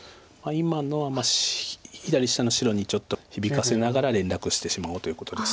今のは左下の白にちょっと響かせながら連絡してしまおうということですが。